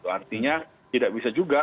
artinya tidak bisa juga